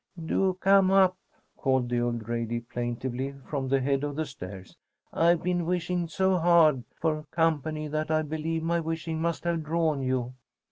"Do come up!" called the old lady, plaintively, from the head of the stairs. "I've been wishing so hard for company that I believe my wishing must have drawn you.